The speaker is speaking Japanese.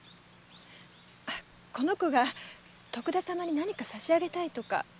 あこの子が徳田様に何か差し上げたいとか。